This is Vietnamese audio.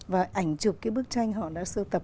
và ảnh chụp cái bức tranh họ đã sưu tập